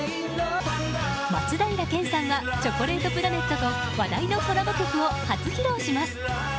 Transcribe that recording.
松平健さんはチョコレートプラネットと話題のコラボ曲を初披露します。